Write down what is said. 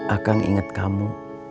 akang inget kamu